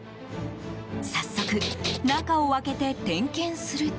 早速、中を開けて点検すると。